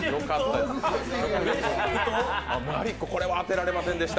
マリック、これは当てられませんでした。